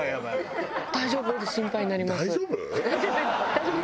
「大丈夫」？